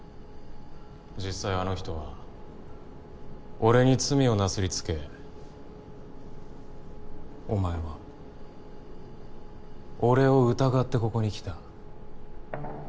実際あの人は俺に罪をなすりつけお前は俺を疑ってここに来た。